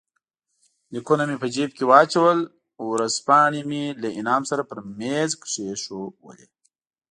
لیکونه مې په جېب کې واچول، ورځپاڼې مې له انعام سره پر مېز کښېښودې.